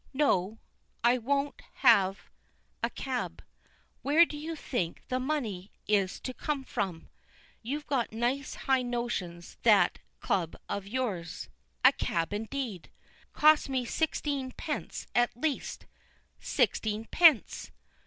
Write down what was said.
No: and I won't have a cab, where do you think the money's to come from? You've got nice high notions at that club of yours. A cab, indeed! Cost me sixteen pence at least sixteen pence!